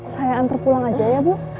saya antar pulang aja ya bu